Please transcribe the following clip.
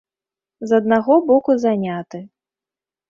З аднаго боку, заняты.